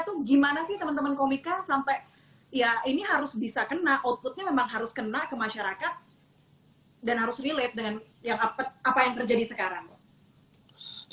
tuh gimana sih teman teman komika sampai ya ini harus bisa kena outputnya memang harus kena ke